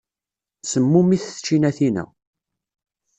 Semmumit tčinatin-a.